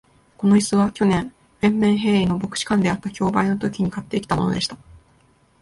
この椅子は、去年、ヴェンメンヘーイの牧師館であった競売のときに買ってきたものでした。